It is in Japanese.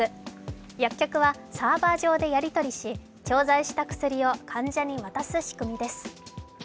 薬局はサーバー上でやり取りし、調剤した薬を患者に渡す仕組みです。